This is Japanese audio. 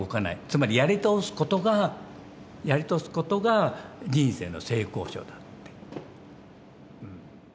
つまりやり通すことがやり通すことが人生の成功者だって。